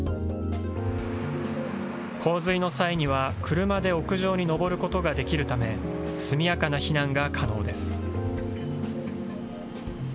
洪水の際には、車で屋上に上ることができるため、速やかな避難が可能です。